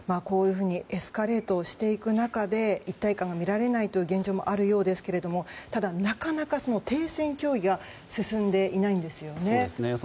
こういうふうにエスカレートをしていく中で一体感が見られないという現状もあるようですがただ、なかなか停戦協議が進んでいないんですよね。